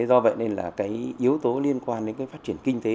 do vậy nên là cái yếu tố liên quan đến cái phát triển kinh tế